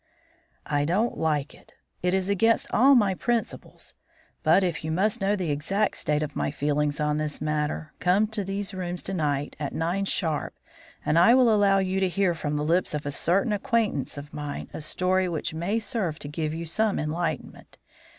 "I don't like it; it is against all my principles, but if you must know the exact state of my feelings on this matter, come to these rooms to night at nine sharp and I will allow you to hear from the lips of a certain acquaintance of mine a story which may serve to give you some enlightenment.